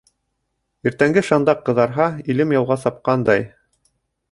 Иртәнге шандаҡ ҡыҙарһа, илем яуға сапҡандай.